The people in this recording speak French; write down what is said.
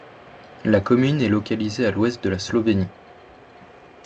La commune est localisée à l’ouest de la Slovénie.